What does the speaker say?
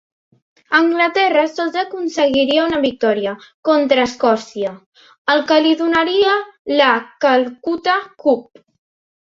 Anglaterra sols aconseguiria una victòria, contra Escòcia, el que li donaria la Calcuta Cup.